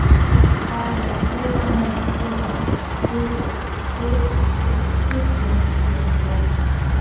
Чачхалиа дыҟанаҵ дыҟан, дыҟоуп, ҳгәы дҭыҵәом бзанҵы.